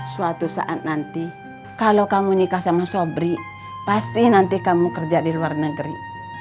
suatu saat nanti kalau kamu nikah sama sobri pasti nanti kamu kerja di luar negeri